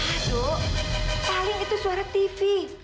masuk paling itu suara tv